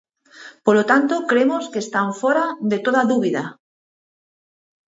Polo tanto, cremos que están fóra de toda dúbida.